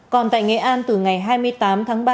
còn tại nghệ an từ ngày hai mươi tám tháng ba